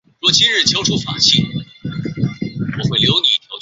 光轴苎叶蒟为胡椒科胡椒属下的一个变种。